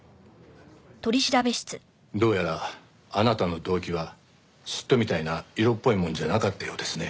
どうやらあなたの動機は嫉妬みたいな色っぽいものじゃなかったようですね。